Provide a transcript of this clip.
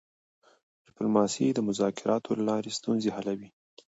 ډیپلوماسي د مذاکراتو له لارې ستونزې حلوي.